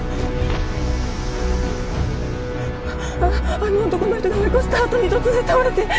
あの男の人が追い越したあとに突然倒れて。